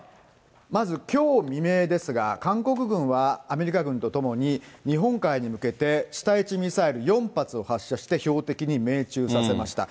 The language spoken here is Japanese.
まずきょう未明ですが、韓国軍はアメリカ軍とともに、日本海に向けて、地対地ミサイル４発を発射して標的に命中させました。